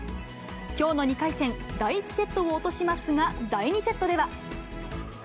きょうの２回戦、第１セットを落としますが、第２セットでは。